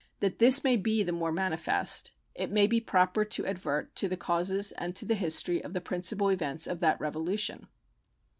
That this may be the more manifest, it may be proper to advert to the causes and to the history of the principal events of that revolution.